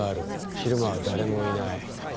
昼間は誰もいない」